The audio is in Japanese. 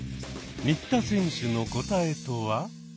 新田選手の答えとは？